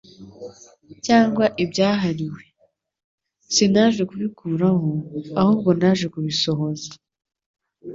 cyangwa ibyahariuwe. Sinaje kubikuraho, ahubwo naje kubisohoza.»